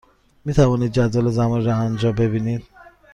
می توانید جدول زمانی را آنجا ببینید.